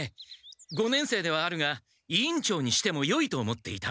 五年生ではあるが委員長にしてもよいと思っていた。